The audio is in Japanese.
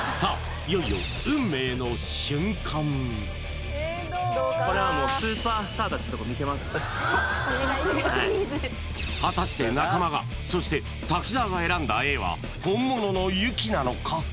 いよいよ果たして中間がそして滝沢が選んだＡは本物のＹＵＫＩなのか？